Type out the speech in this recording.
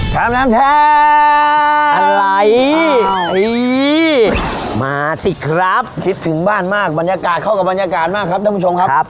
ทำน้ำแท้อะไรมาสิครับคิดถึงบ้านมากบรรยากาศเข้ากับบรรยากาศมากครับ